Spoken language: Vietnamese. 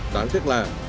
đáng tiếc là